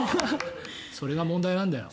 それが問題なんだよ。